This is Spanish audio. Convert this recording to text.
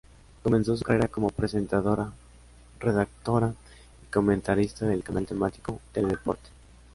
Comenzó su carrera como presentadora, redactora y comentarista del canal temático Teledeporte.